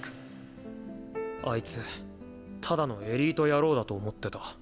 あいつただのエリート野郎だと思ってた。